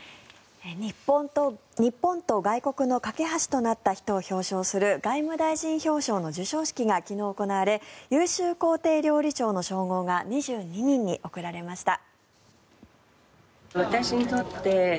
日本と外国の懸け橋となった人を表彰する外務大臣表彰の授賞式が昨日、行われ優秀公邸料理長の称号が２２人に送られました。